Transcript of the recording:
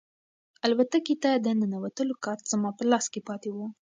الوتکې ته د ننوتلو کارت زما په لاس کې پاتې و.